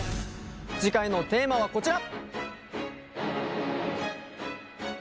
次回のテーマはこちら！